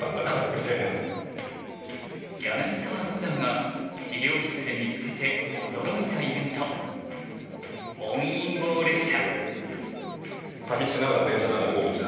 柳澤六段が資料室で見つけて驚いたイベント本因坊列車。